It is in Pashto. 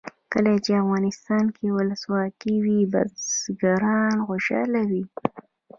کله چې افغانستان کې ولسواکي وي بزګران خوشحاله وي.